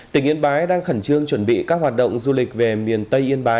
tỉnh yên bái đang khẩn trương chuẩn bị các hoạt động du lịch về miền tây